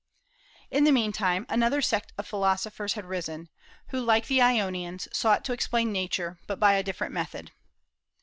In the mean time another sect of philosophers had arisen, who, like the Ionians, sought to explain Nature, but by a different method.